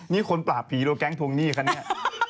นี่คนปราบผีโดนแก๊งทวงหนี้คะเนี่ย